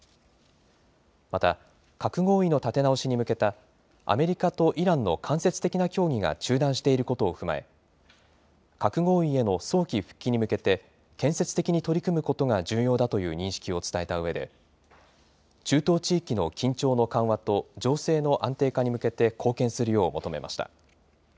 また核合意の立て直しに向けたアメリカとイランの間接的な協議が中断していることを踏まえ、核合意への早期復帰に向けて、建設的に取り組むことが重要だという認識を伝えたうえで、中東地域の緊張の緩和と、情勢の安定化に向けて貢献するよう求めました。